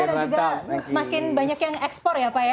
dan juga semakin banyak yang ekspor ya pak ya